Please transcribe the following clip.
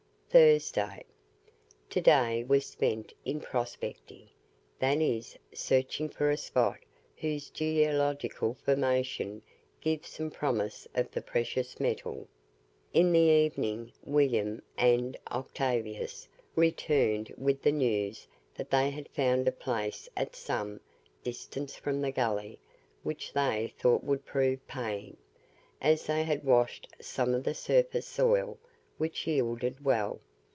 THURSDAY. To day was spent in prospecting that is, searching for a spot whose geological formation gives some promise of the precious metal. In the evening, William and Octavius returned with the news that they had found a place at some, distance from the gully, which they thought would prove "paying," as they had washed some of the surface soil, which yielded well.